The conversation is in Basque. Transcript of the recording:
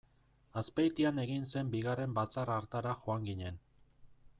Azpeitian egin zen bigarren batzar hartara joan ginen.